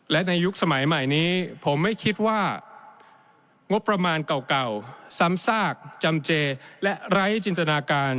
และในยุคสมัยใหม่นี้ผมไม่คิดว่างบประมาณเก่าซ้ำซากจำเจและไร้จินตนาการ